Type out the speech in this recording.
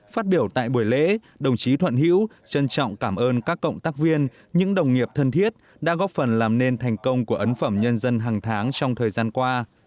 phát biểu tại buổi lễ đồng chí thuận hữu trân trọng cảm ơn các cộng tác viên những đồng nghiệp thân thiết đã góp phần làm nên thành công của ấn phẩm nhân dân hàng tháng trong thời gian qua